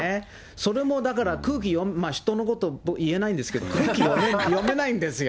それもだから、空気、人のこと、僕言えないんですけれども、空気読めないんですよ。